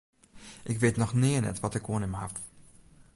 Ik wit noch nea net wat ik oan him haw.